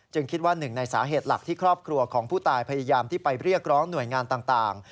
คิดว่าหนึ่งในสาเหตุหลักที่ครอบครัวของผู้ตายพยายามที่ไปเรียกร้องหน่วยงานต่าง